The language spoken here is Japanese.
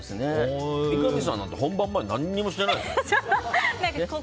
三上さんなんて、本番前何もしてないでしょ。